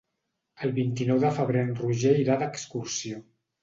El vint-i-nou de febrer en Roger irà d'excursió.